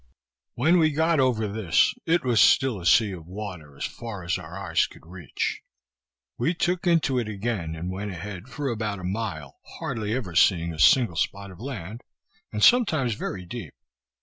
When we got over this, it was still a sea of water as far as our eyes could reach. We took into it again, and went ahead, for about a mile, hardly ever seeing a single spot of land, and sometimes very deep.